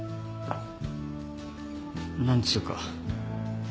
何つうか。